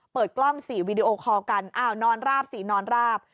เปิดกล้อง๔วีดีโอคอลกันอ้าวนอนราบสินอนราบ